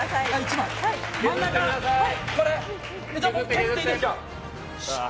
削っていいですか？